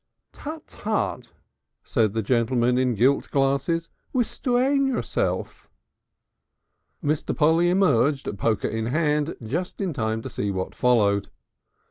"Tut, tut!" said the gentleman in gilt glasses. "Restrain yourself!" Mr. Polly emerged, poker in hand, just in time to see what followed.